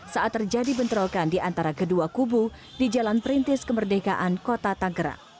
saat terjadi bentrokan di antara kedua kubu di jalan perintis kemerdekaan kota tanggerang